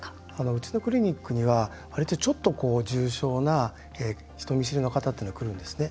うちのクリニックには割と、ちょっと重症な人見知りな方というのが来るんですね。